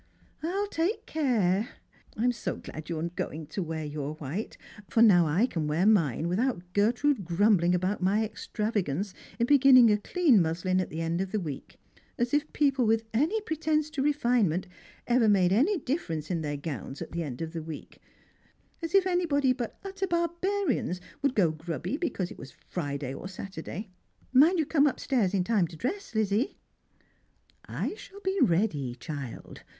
" I'll take care. I'm so glad you're going to wear your white : /or now I can wear mine \vithout Gerti'ude grumbling about my extravagance in beginning a clean muslin at the end of the week ; as if people with any pretence to refinement ever made any dif ference in their gowns at the end of the week — as if anybody but utter barbarians would go grubby because it was Friday oi Saturday ! Mind you come up stairs in time to dress, Lizzie." " I shall be ready, child.